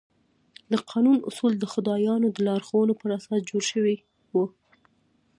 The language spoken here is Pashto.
د قانون اصول د خدایانو د لارښوونو پر اساس جوړ شوي وو.